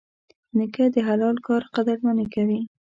نیکه د حلال کار قدرداني کوي.